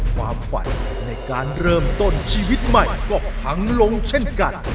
ความฝันในการเริ่มต้นชีวิตใหม่ก็พังลงเช่นกัน